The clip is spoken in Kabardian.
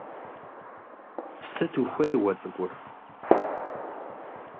Сыт ухуей уэ цӀыкӀур?